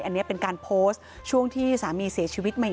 อันนี้เป็นการโพสต์ช่วงที่สามีเสียชีวิตใหม่